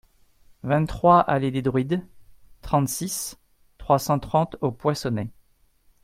vingt-trois allée des Druides, trente-six, trois cent trente au Poinçonnet